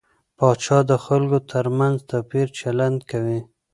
پاچا د خلکو تر منځ توپيري چلند کوي .